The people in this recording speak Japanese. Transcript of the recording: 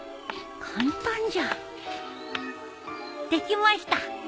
簡単じゃんできました。